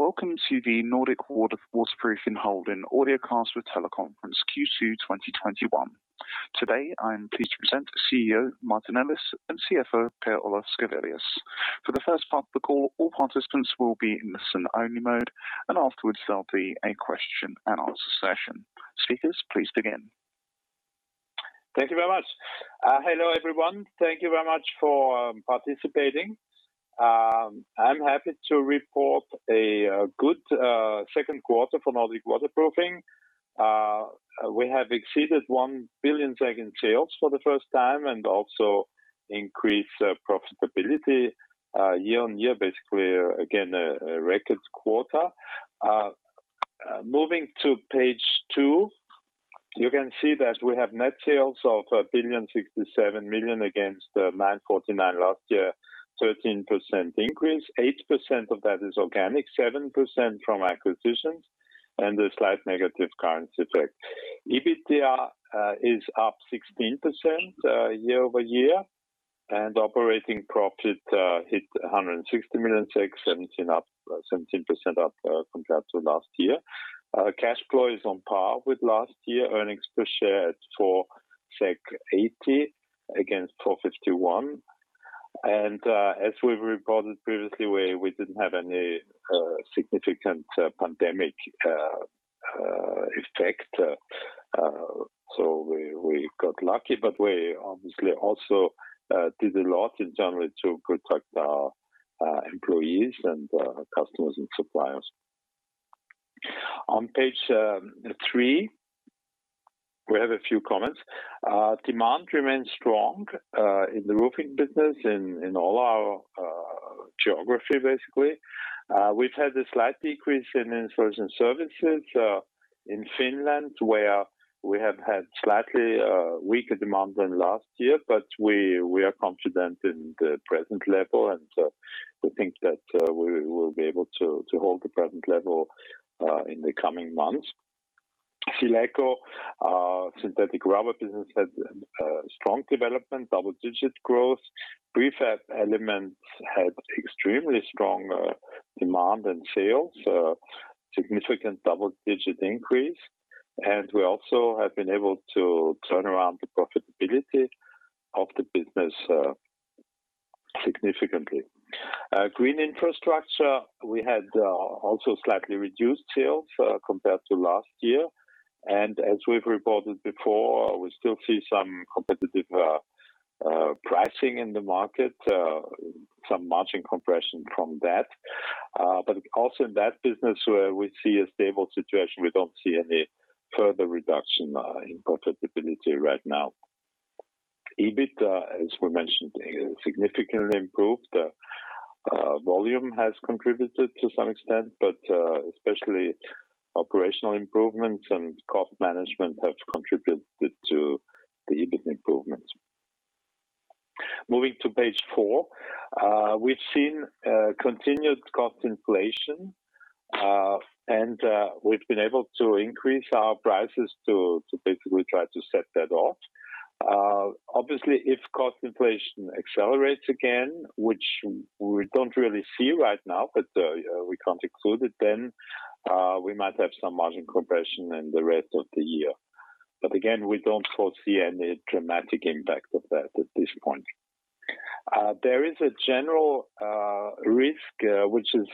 Welcome to the Nordic Waterproofing Holding audiocast with teleconference Q2 2021. Today, I'm pleased to present CEO, Martin Ellis, and CFO, Per-Olof Schrewelius. For the first part of the call, all participants will be in listen-only mode, and afterwards there'll be a question and answer session. Speakers, please begin. Thank you very much. Hello, everyone. Thank you very much for participating. I am happy to report a good second quarter for Nordic Waterproofing. We have exceeded 1 billion in sales for the first time and also increased profitability year-on-year, basically, again, a record quarter. Moving to page two, you can see that we have net sales of 1,067 million against 949 million last year, 13% increase. 8% of that is organic, 7% from acquisitions, and a slight negative currency effect. EBITDA is up 16% year-over-year, and operating profit hit 160 million, 17% up compared to last year. Cash flow is on par with last year. Earnings per share at 4.80 SEK against 4.51. As we reported previously, we didn't have any significant pandemic effect, so we got lucky, but we obviously also did a lot in general to protect our employees and our customers and suppliers. On page 3, we have a few comments. Demand remains strong in the roofing business in all our geography, basically. We've had a slight decrease in installation services in Finland, where we have had slightly weaker demand than last year, but we are confident in the present level, and we think that we will be able to hold the present level in the coming months. SealEco, our synthetic rubber business, had a strong development, double-digit growth. Prefab elements had extremely strong demand and sales, a significant double-digit increase, and we also have been able to turn around the profitability of the business significantly. Green infrastructure, we had also slightly reduced sales compared to last year, and as we've reported before, we still see some competitive pricing in the market, some margin compression from that. Also in that business, we see a stable situation. We don't see any further reduction in profitability right now. EBIT, as we mentioned, significantly improved. Volume has contributed to some extent, but especially operational improvements and cost management have contributed to the EBIT improvement. Moving to page 4. We've seen continued cost inflation, and we've been able to increase our prices to basically try to set that off. Obviously, if cost inflation accelerates again, which we don't really see right now, but we can't exclude it, then we might have some margin compression in the rest of the year. Again, we don't foresee any dramatic impact of that at this point. There is a general risk, which is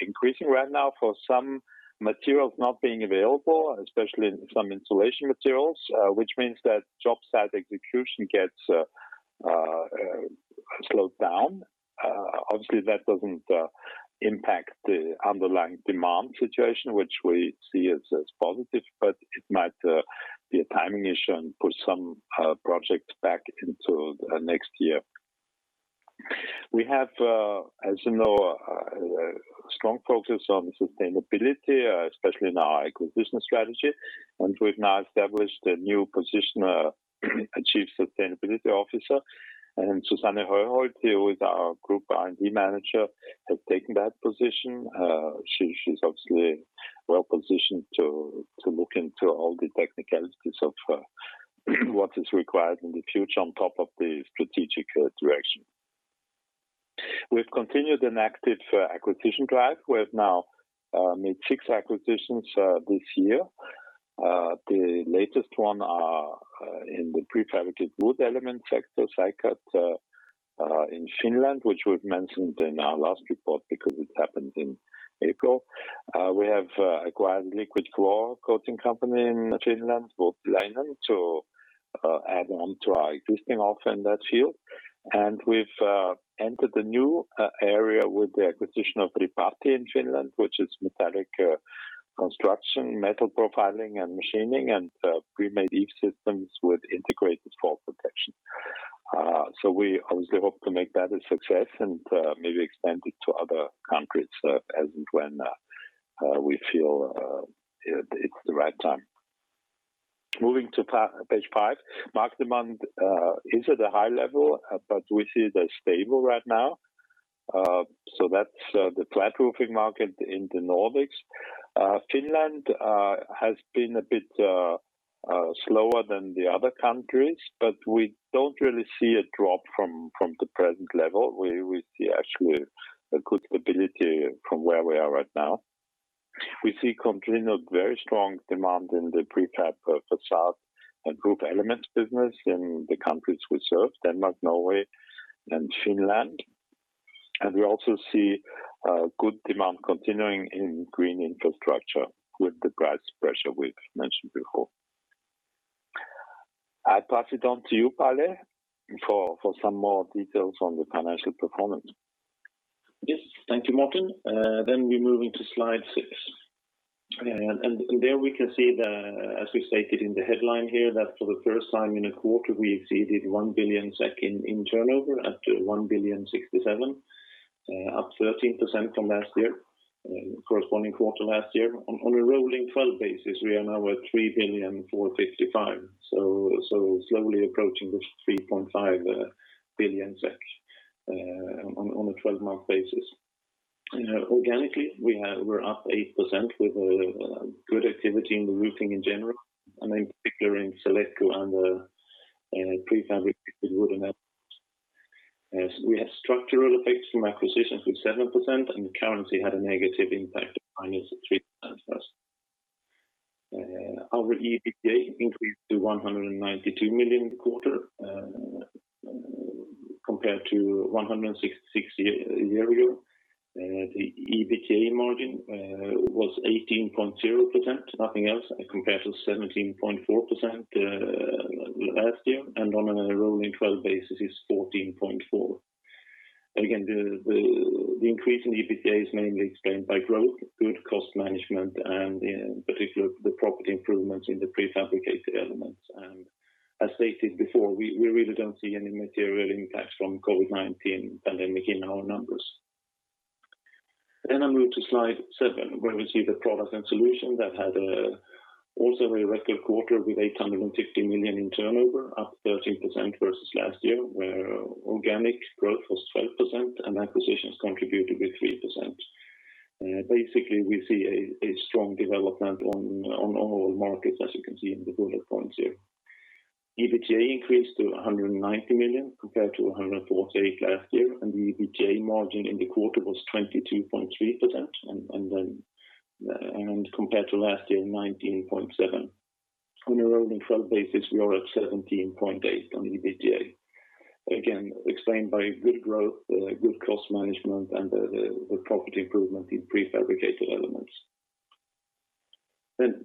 increasing right now for some materials not being available, especially in some insulation materials, which means that job site execution gets slowed down. Obviously, that doesn't impact the underlying demand situation, which we see as positive, but it might be a timing issue and push some projects back into next year. We have, as you know, a strong focus on sustainability, especially in our acquisition strategy, and we've now established a new position, a Chief Sustainability Officer. Susanne Højholt, who is our Group R&D Manager, has taken that position. She's obviously well-positioned to look into all the technicalities of what is required in the future on top of the strategic direction. We've continued an active acquisition drive. We have now made 6 acquisitions this year. The latest one in the prefabricated wood element sector, Seikat in Finland, which we've mentioned in our last report because it happened in April. We have acquired a liquid floor coating company in Finland, Voutilainen, to add on to our existing offer in that field. We've entered a new area with the acquisition of Ripatti in Finland, which is metallic construction, metal profiling and machining, and pre-made eave systems with integrated fall protection. We obviously hope to make that a success and maybe expand it to other countries as and when we feel it's the right time. Moving to page 5. Market demand is at a high level, but we see it as stable right now. That's the flat roofing market in the Nordics. Finland has been a bit slower than the other countries, but we don't really see a drop from the present level. We see actually a good stability from where we are right now. We see continued very strong demand in the prefab facade and roof elements business in the countries we serve, Denmark, Norway, and Finland. We also see good demand continuing in green infrastructure with the price pressure we've mentioned before. I pass it on to you, Palle, for some more details on the financial performance. Yes. Thank you, Martin. We move into slide 6. There we can see that, as we stated in the headline here, that for the first time in a quarter, we exceeded 1 billion SEK in turnover up to 1,067,000,000, up 13% from last year, corresponding quarter last year. On a rolling 12 basis, we are now at 3,455,000,000, so slowly approaching the 3.5 billion on a 12-month basis. Organically, we're up 8% with a good activity in the roofing in general, and in particular in SealEco and prefabricated wood elements. As we have structural effects from acquisitions with 7% and currency had a negative impact of -3% for us. Our EBITDA increased to 192 million a quarter, compared to 166 million a year ago. The EBITDA margin was 18.0%, nothing else compared to 17.4% last year, and on a rolling 12 basis is 14.4%. The increase in EBITDA is mainly explained by growth, good cost management, and in particular, the profitability improvements in the prefabricated elements. As stated before, we really don't see any material impacts from COVID-19 pandemic in our numbers. I move to slide 7, where we see the products and solutions that had also a record quarter with 850 million in turnover, up 13% versus last year, where organic growth was 12% and acquisitions contributed with 3%. Basically, we see a strong development on all markets, as you can see in the bullet points here. EBITDA increased to 190 million compared to 148 last year, and the EBITDA margin in the quarter was 22.3%, and compared to last year, 19.7%. On a rolling 12 basis, we are at 17.8% on EBITDA. Explained by good growth, good cost management, and the profitability improvement in prefabricated elements.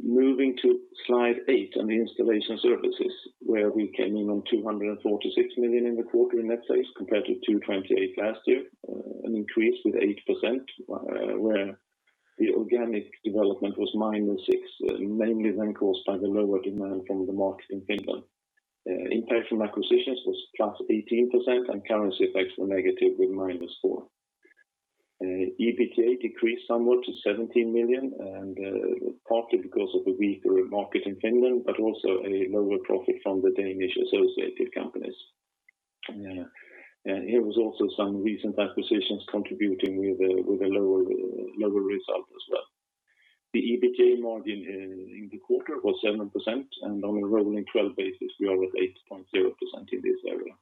Moving to slide 8 on the installation services, where we came in on 246 million in the quarter in net sales compared to 228 last year, an increase with 8%, where the organic development was -6%, mainly caused by the lower demand from the market in Finland. Impact from acquisitions was +18%, and currency effects were negative with -4%. EBITDA decreased somewhat to 17 million, partly because of a weaker market in Finland, but also a lower profit from the Danish associated companies. Here was also some recent acquisitions contributing with a lower result as well. The EBITDA margin in the quarter was 7%, and on a rolling 12 basis, we are at 8.0% in this area.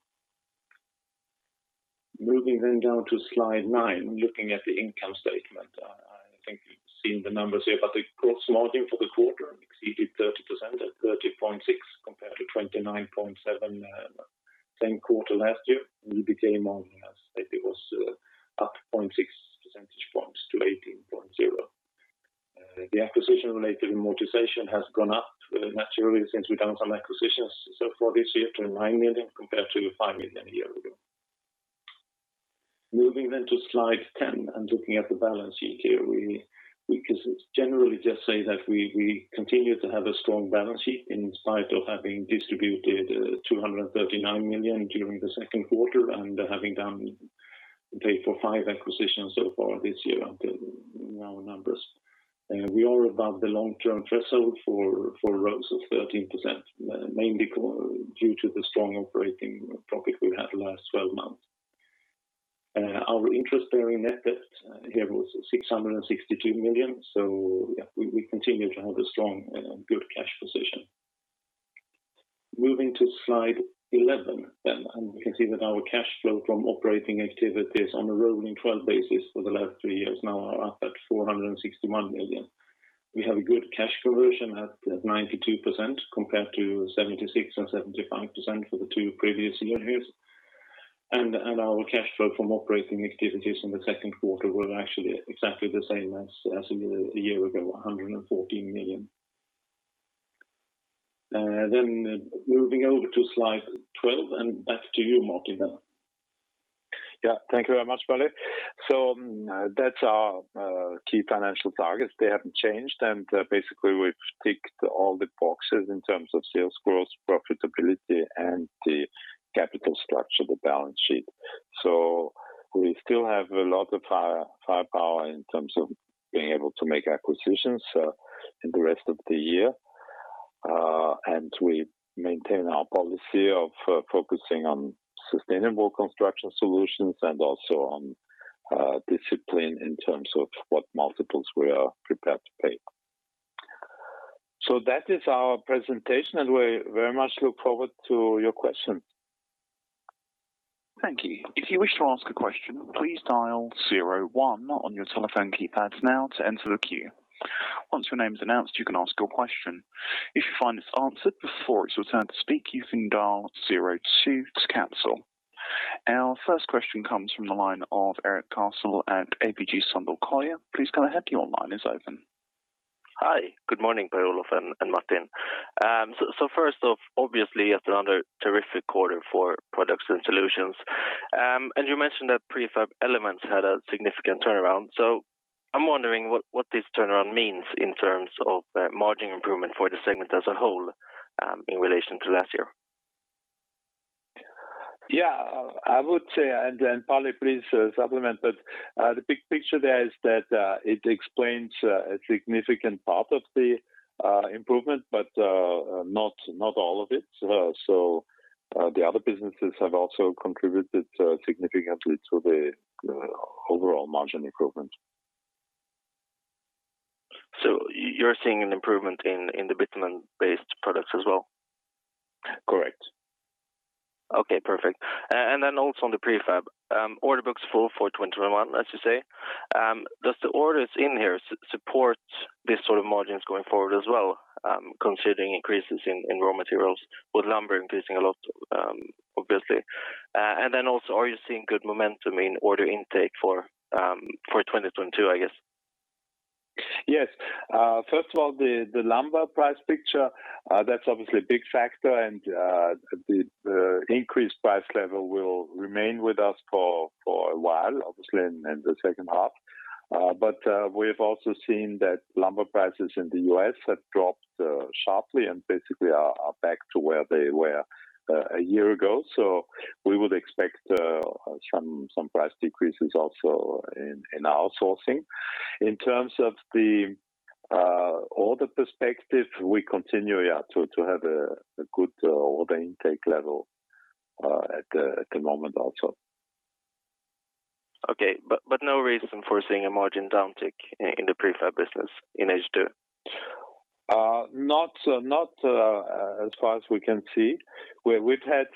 Moving down to slide 9, looking at the income statement. I think you've seen the numbers here. The gross margin for the quarter exceeded 30% at 30.6 compared to 29.7 same quarter last year. The EBITDA margin, as stated, was up 0.6 percentage points to 18.0. The acquisition-related amortization has gone up naturally since we've done some acquisitions so far this year to 9 million compared to 5 million a year ago. Moving to slide 10 and looking at the balance sheet here, we can generally just say that we continue to have a strong balance sheet in spite of having distributed 239 million during the second quarter and having paid for 5 acquisitions so far this year in our numbers. We are above the long-term threshold for ROACE of 13%, mainly due to the strong operating profit we've had the last 12 months. Our interest-bearing net debt here was 662 million. We continue to have a strong and good cash position. Moving to slide 11, we can see that our cash flow from operating activities on a rolling 12 basis for the last 3 years now are up at 461 million. We have a good cash conversion at 92% compared to 76% and 75% for the 2 previous years. Our cash flow from operating activities in the second quarter were actually exactly the same as a year ago, 114 million. Moving over to slide 12, back to you, Martin. Yeah. Thank you very much, Palle. That's our key financial targets. They haven't changed, basically, we've ticked all the boxes in terms of sales growth, profitability, and the capital structure, the balance sheet. We still have a lot of firepower in terms of being able to make acquisitions in the rest of the year. We maintain our policy of focusing on sustainable construction solutions and also on discipline in terms of what multiples we are prepared to pay. That is our presentation, we very much look forward to your questions. Thank you. Our first question comes from the line of Erik Cassel at ABG Sundal Collier. Please go ahead. Your line is open. Hi, good morning, Per-Olof and Martin. First off, obviously it's another terrific quarter for Products and Solutions. You mentioned that prefab elements had a significant turnaround. I'm wondering what this turnaround means in terms of margin improvement for the segment as a whole, in relation to last year. Yeah. I would say, and then Palle, please supplement, but the big picture there is that it explains a significant part of the improvement, but not all of it. The other businesses have also contributed significantly to the overall margin improvement. You're seeing an improvement in the bitumen-based products as well? Correct. Okay, perfect. On the prefab, order book's full for 2021, as you say. Does the orders in here support this sort of margins going forward as well, considering increases in raw materials, with lumber increasing a lot, obviously. Are you seeing good momentum in order intake for 2022, I guess? Yes. First of all, the lumber price picture, that's obviously a big factor. The increased price level will remain with us for a while, obviously in the second half. We've also seen that lumber prices in the U.S. have dropped sharply. Basically are back to where they were a year ago. We would expect some price decreases also in our sourcing. In terms of the order perspective, we continue to have a good order intake level at the moment also. Okay. No reason for seeing a margin downtick in the prefab business in H2? Not as far as we can see. We've had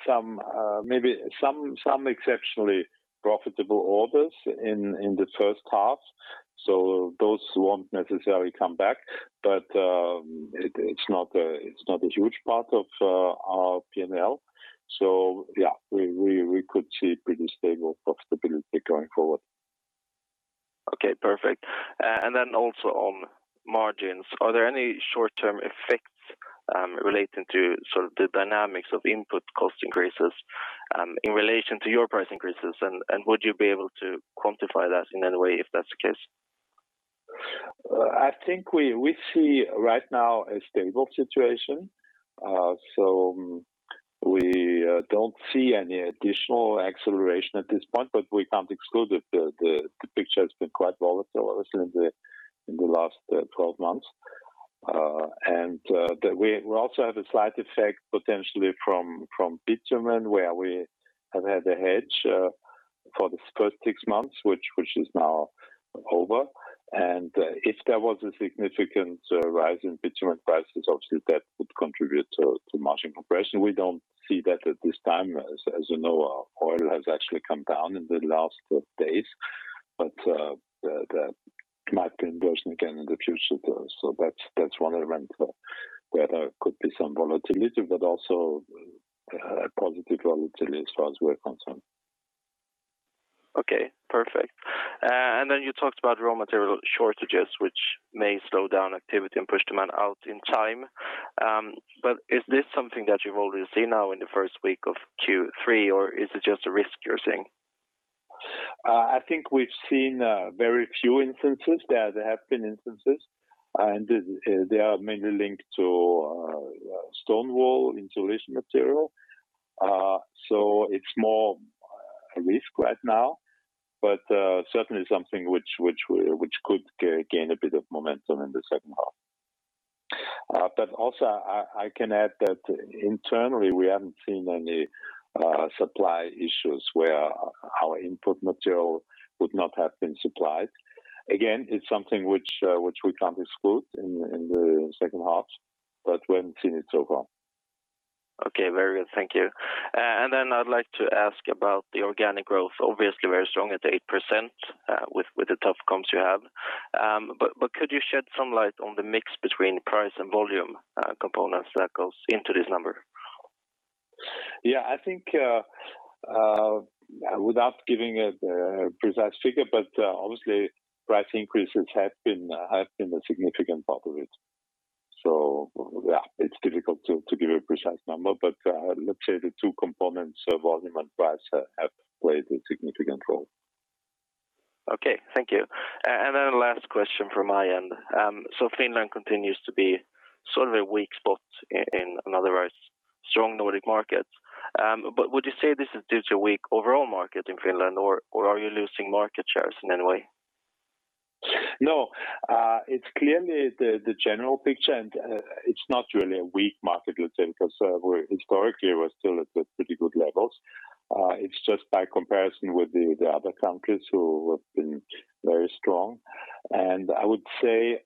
maybe some exceptionally profitable orders in the first half, so those won't necessarily come back, but it's not a huge part of our P&L. Yeah, we could see pretty stable profitability going forward. Okay, perfect. Then also on margins, are there any short-term effects relating to sort of the dynamics of input cost increases in relation to your price increases? Would you be able to quantify that in any way if that's the case? I think we see right now a stable situation. We don't see any additional acceleration at this point, but we can't exclude it. The picture has been quite volatile, obviously in the last 12 months. We also have a slight effect potentially from bitumen, where we have had a hedge for the first six months, which is now over. If there was a significant rise in bitumen prices, obviously that would contribute to margin compression. We don't see that at this time. As you know, oil has actually come down in the last 12 days, but that might be reversing again in the future. That's one event where there could be some volatility, but also a positive volatility as far as we're concerned. Okay, perfect. Then you talked about raw material shortages, which may slow down activity and push demand out in time. Is this something that you already see now in the first week of Q3, or is it just a risk you're seeing? I think we've seen very few instances. There have been instances, they are mainly linked to stone wool insulation material. It's more a risk right now, but certainly something which could gain a bit of momentum in the second half. Also, I can add that internally, we haven't seen any supply issues where our input material would not have been supplied. Again, it's something which we can't exclude in the second half, but we haven't seen it so far. Okay. Very good. Thank you. Then I'd like to ask about the organic growth, obviously very strong at 8% with the tough comps you have. Could you shed some light on the mix between price and volume components that goes into this number? Yeah. I think, without giving a precise figure, but obviously price increases have been a significant part of it. Yeah. It's difficult to give a precise number, but let's say the two components of volume and price have played a significant role. Okay. Thank you. Last question from my end. Finland continues to be sort of a weak spot in an otherwise strong Nordic market. Would you say this is due to a weak overall market in Finland, or are you losing market shares in any way? No, it's clearly the general picture, and it's not really a weak market, let's say, because historically, we're still at pretty good levels. It's just by comparison with the other countries who have been very strong. I would say,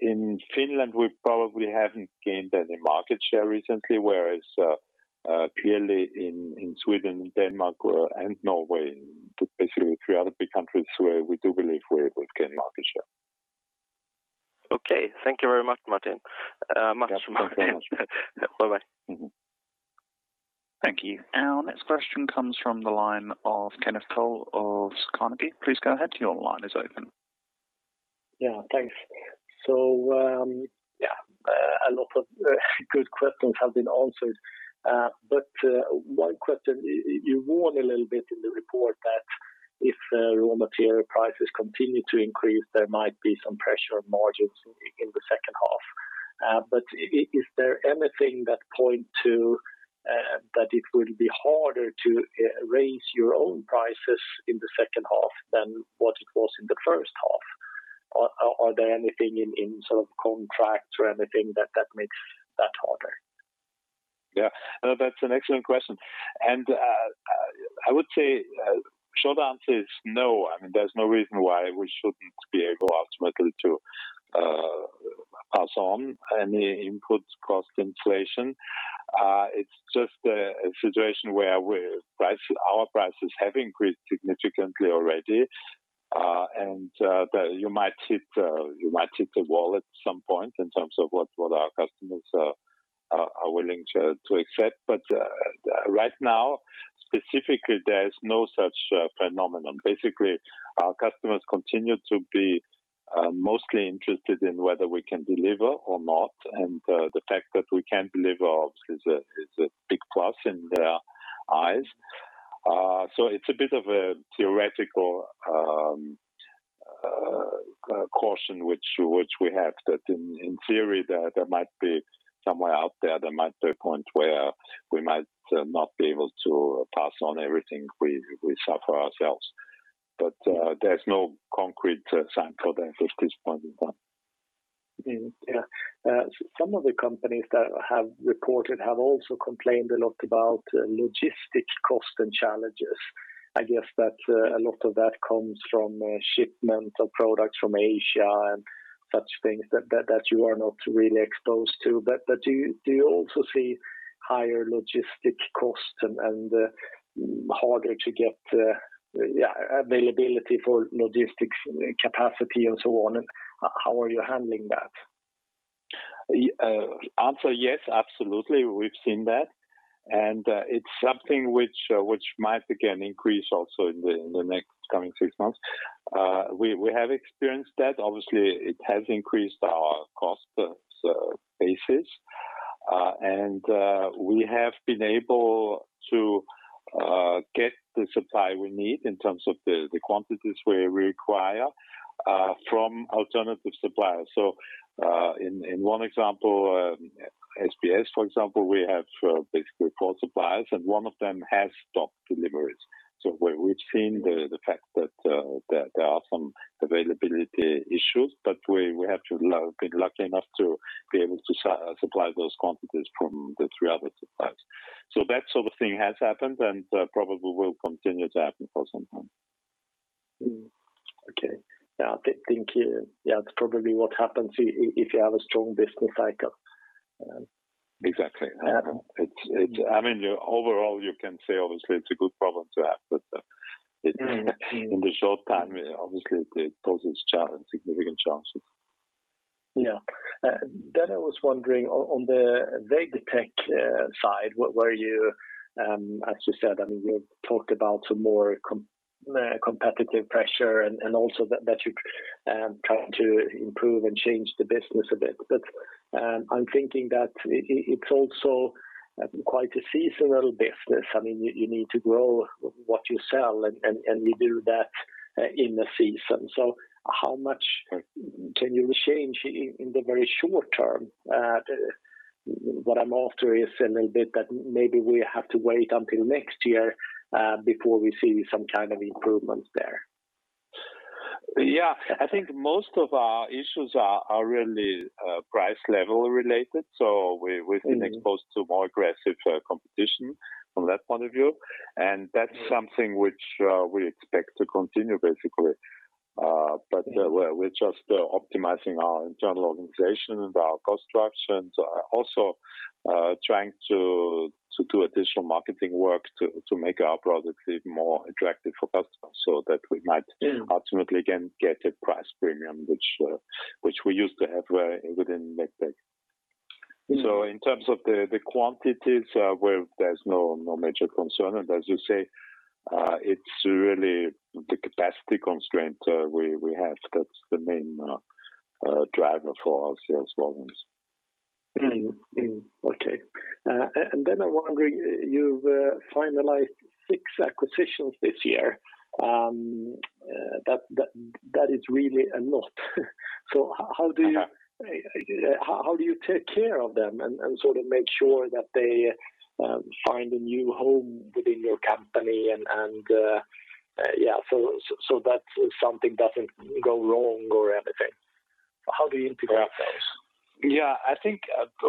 in Finland, we probably haven't gained any market share recently, whereas clearly in Sweden, Denmark, and Norway, basically 3 other big countries where we do believe we're able to gain market share. Okay. Thank you very much, Martin. Bye-bye. Thank you. Our next question comes from the line of Kenneth Toll Johansson of Carnegie. Please go ahead. Your line is open. Yeah, thanks. A lot of good questions have been answered. One question, you warn a little bit in the report that if raw material prices continue to increase, there might be some pressure on margins in the second half. Is there anything that point to that it will be harder to raise your own prices in the second half than what it was in the first half? Are there anything in sort of contracts or anything that makes that harder? Yeah. No, that's an excellent question. I would say short answer is no. There's no reason why we shouldn't be able ultimately to pass on any input cost inflation. It's just a situation where our prices have increased significantly already, and that you might hit the wall at some point in terms of what our customers are willing to accept. Right now, specifically, there is no such phenomenon. Basically, our customers continue to be mostly interested in whether we can deliver or not, and the fact that we can deliver is a big plus in their eyes. So it's a bit of a theoretical caution which we have that in theory, there might be somewhere out there might be a point where we might not be able to pass on everything we suffer ourselves. There's no concrete sign for that at this point in time. Yeah. Some of the companies that have reported have also complained a lot about logistics cost and challenges. I guess that a lot of that comes from shipment of products from Asia and such things that you are not really exposed to. Do you also see higher logistics cost and harder to get availability for logistics capacity and so on? How are you handling that? Yes, absolutely, we've seen that. It's something which might, again, increase also in the next coming six months. We have experienced that. Obviously, it has increased our cost basis. We have been able to get the supply we need in terms of the quantities we require from alternative suppliers. In one example, SBS, for example, we have basically four suppliers, and one of them has stopped deliveries. We've seen the fact that there are some availability issues, but we have been lucky enough to be able to supply those quantities from the three other suppliers. That sort of thing has happened and probably will continue to happen for some time. Okay. Yeah, I think that's probably what happens if you have a strong business cycle. Exactly. Overall, you can say obviously it's a good problem to have, but in the short term, obviously it poses significant challenges. Yeah. I was wondering on the Veg Tech side, as you said, you talked about some more competitive pressure and also that you're trying to improve and change the business a bit. I'm thinking that it's also quite a seasonal business. You need to grow what you sell, and you do that in a season. How much can you change in the very short term? What I'm after is a little bit that maybe we have to wait until next year, before we see some kind of improvements there. Yeah. I think most of our issues are really price level related. We've been exposed to more aggressive competition from that point of view, and that's something which we expect to continue, basically. We're just optimizing our internal organization and our cost structure and also trying to do additional marketing work to make our products even more attractive for customers so that we might ultimately, again, get a price premium which we used to have within VegTech. In terms of the quantities, well, there's no major concern. As you say, it's really the capacity constraint we have that's the main driver for our sales volumes. Okay. I wonder, you've finalized 6 acquisitions this year. That is really a lot. How do you take care of them and make sure that they find a new home within your company, and so that something doesn't go wrong or anything? How do you integrate those? Yeah. I think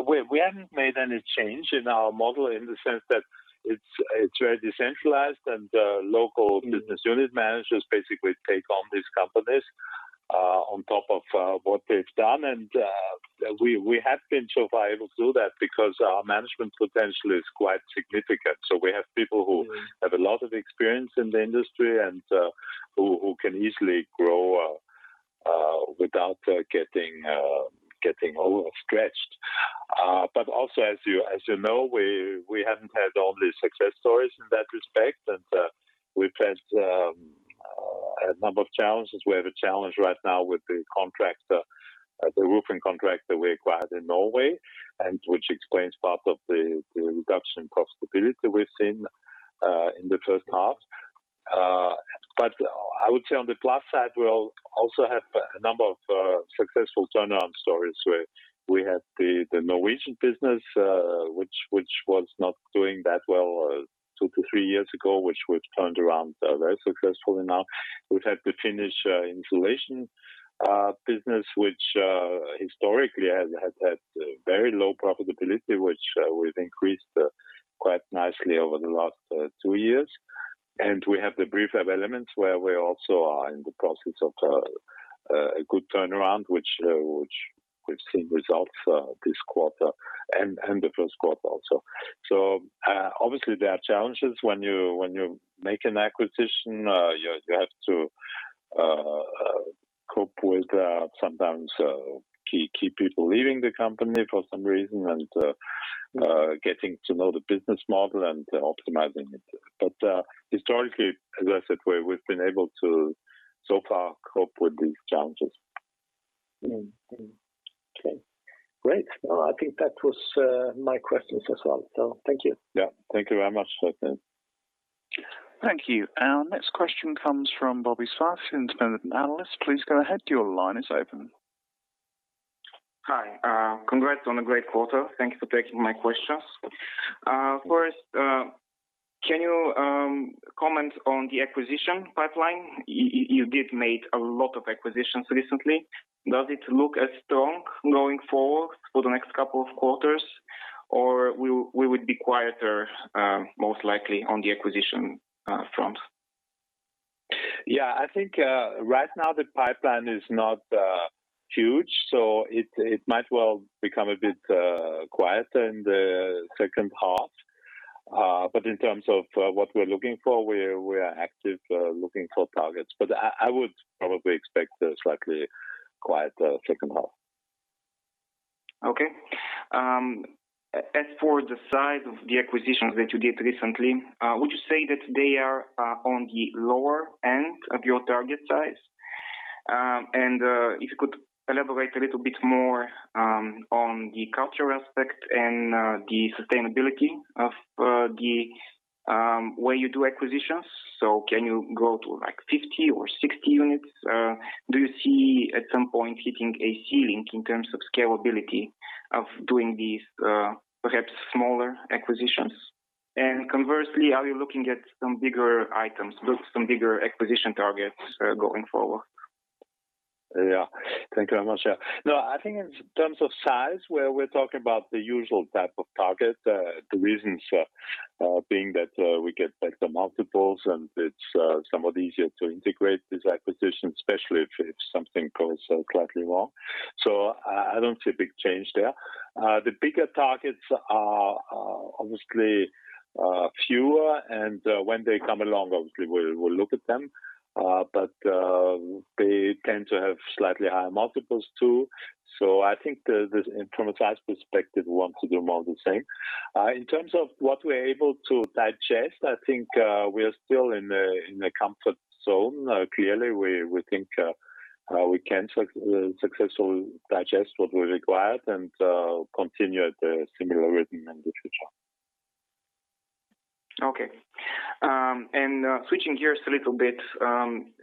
we haven't made any change in our model in the sense that it's very decentralized, and local business unit managers basically take on these companies on top of what they've done. We have been so far able to do that because our management potential is quite significant. We have people who have a lot of experience in the industry and who can easily grow without getting overstretched. Also as you know, we haven't had all the success stories in that respect, and we've had a number of challenges. We have a challenge right now with the roofing contractor we acquired in Norway, and which explains part of the reduction in profitability we've seen in the first half. I would say on the plus side, we also have a number of successful turnaround stories where we had the Norwegian business which was not doing that well 2-3 years ago, which we've turned around very successfully now. We've had the Finnish installation business, which historically has had very low profitability, which we've increased quite nicely over the last 2 years. We have the prefab elements where we also are in the process of a good turnaround, which we've seen results this quarter and the 1st quarter also. Obviously there are challenges when you make an acquisition, you have to cope with sometimes key people leaving the company for some reason, and getting to know the business model and optimizing it. Historically, as I said, we've been able to so far cope with these challenges. Okay, great. I think that was my questions as well. Thank you. Yeah. Thank you very much, Stefan. Thank you. Our next question comes from Bobby Svashh, Independent Analyst. Please go ahead, your line is open. Hi. Congrats on a great quarter. Thank you for taking my questions. First, can you comment on the acquisition pipeline? You did make a lot of acquisitions recently. Does it look as strong going forward for the next couple of quarters, or we would be quieter, most likely on the acquisition front? I think right now the pipeline is not huge, so it might well become a bit quieter in the second half. In terms of what we're looking for, we are active looking for targets. I would probably expect a slightly quiet second half. Okay. As for the size of the acquisitions that you did recently, would you say that they are on the lower end of your target size? If you could elaborate a little bit more on the cultural aspect and the sustainability of the way you do acquisitions. Can you go to 50 or 60 units? Do you see at some point hitting a ceiling in terms of scalability of doing these perhaps smaller acquisitions? Conversely, are you looking at some bigger items, some bigger acquisition targets going forward? Yeah. Thank you very much. No, I think in terms of size, where we're talking about the usual type of target, the reasons being that we get better multiples and it's somewhat easier to integrate these acquisitions, especially if something goes slightly wrong. I don't see a big change there. The bigger targets are obviously fewer, and when they come along obviously we'll look at them. They tend to have slightly higher multiples too. I think from a size perspective, we want to do more of the same. In terms of what we're able to digest, I think we are still in the comfort zone. Clearly, we think we can successfully digest what we've acquired and continue at a similar rhythm in the future. Okay. Switching gears a little bit,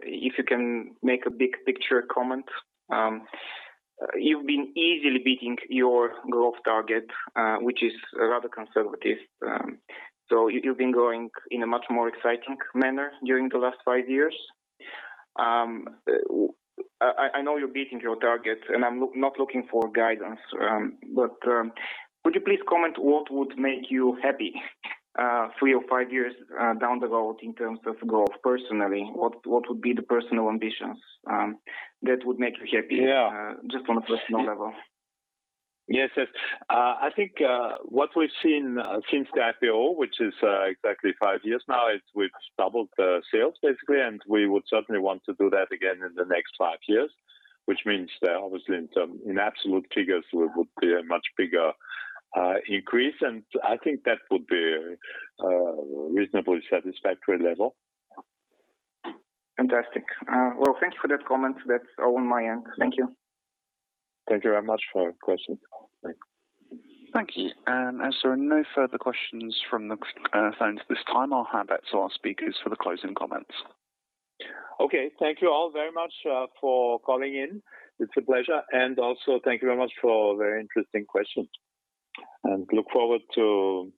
if you can make a big picture comment. You've been easily beating your growth target, which is rather conservative. You've been growing in a much more exciting manner during the last 5 years. I know you're beating your targets, and I'm not looking for guidance. Would you please comment what would make you happy 3 or 5 years down the road in terms of growth personally? What would be the personal ambitions that would make you happy? Yeah. Just on a personal level. Yes. I think what we've seen since the IPO, which is exactly 5 years now, is we've doubled the sales basically, and we would certainly want to do that again in the next 5 years. Which means that obviously in absolute figures it would be a much bigger increase, and I think that would be a reasonably satisfactory level. Fantastic. Well, thank you for that comment. That's on my end. Thank you. Thank you very much for your question. Thank you. As there are no further questions from the phones at this time, I'll hand back to our speakers for the closing comments. Okay. Thank you all very much for calling in. It's a pleasure. Thank you very much for very interesting questions, and look forward to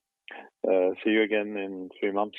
see you again in three months.